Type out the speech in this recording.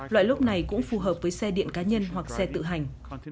loại lốp này cũng phù hợp với xe điện cá nhân hoặc xe tự hành